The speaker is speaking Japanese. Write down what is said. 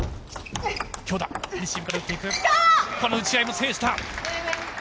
この打ち合いも制した。